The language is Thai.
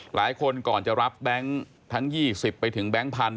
หลายคนก่อนจะรับแบงค์ทั้ง๒๐ไปถึงแบงค์พันธุ